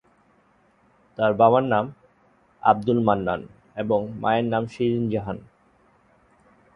তার বাবার নাম আব্দুল মান্নান এবং মায়ের নাম শিরিন জাহান।